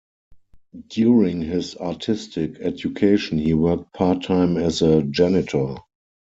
During his artistic education, he worked part-time as a janitor.